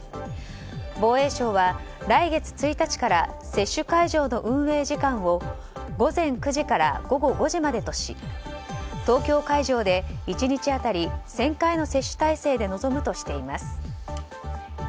防衛省は来月１日から接種会場の運営時間を午前９時から午後５時までとし東京会場で１日当たり１０００回の接種体制で臨むとしています。